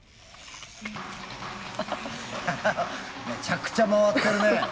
めちゃくちゃ回ってるね。